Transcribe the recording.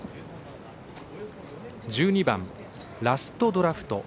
１２番ラストドラフト。